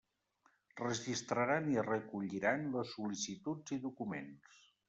Registraran i recolliran les sol·licituds i documents.